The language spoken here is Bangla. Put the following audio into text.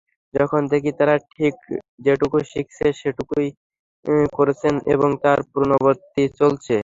যখন দেখি তারা ঠিক যেটুকু শিখেছেন, সেটুকুই করছেন এবং তার পুনরাবৃত্তি চলছে।